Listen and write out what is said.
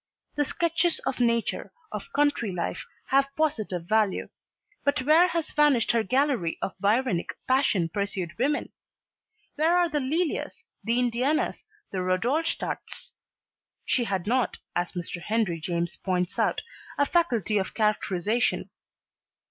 The sketches of nature, of country life, have positive value, but where has vanished her gallery of Byronic passion pursued women? Where are the Lelias, the Indianas, the Rudolstadts? She had not, as Mr. Henry James points out, a faculty for characterization.